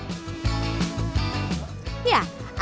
ya ada yang lebih